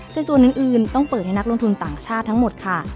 แต่ส่วนอื่นต้องเปิดให้นักลงทุนต่างชาติทั้งหมดค่ะ